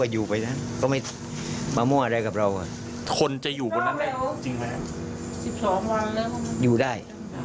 อยู่ได้